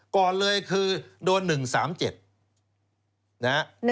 ก่อนเลยคือโดน๑๓๗นะฮะ